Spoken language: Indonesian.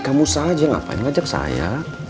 kamu saja ngapain ajak saya